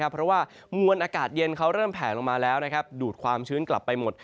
เพราะว่ามวลอากาศเย็นเขาเริ่มแผลลงมาแล้วดูดความชื้นกลับไปหมด